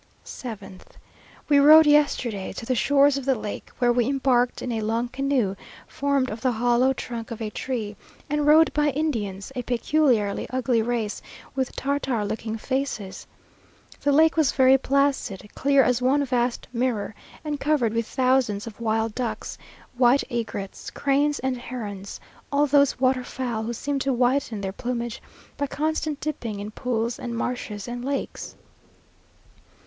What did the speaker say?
7th. We rode yesterday to the shores of the lake, where we embarked in a long canoe, formed of the hollow trunk of a tree, and rowed by Indians, a peculiarly ugly race, with Tartar looking faces. The lake was very placid, clear as one vast mirror, and covered with thousands of wild ducks, white egrets, cranes, and herons all those waterfowl who seem to whiten their plumage by constant dipping in pools and marshes and lakes.